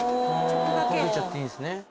かけちゃっていいんですね。